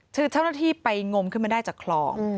ถือเท่าไหร่ที่ไปงมขึ้นมาได้จากคลอง